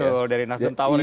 betul dari nasden tower itu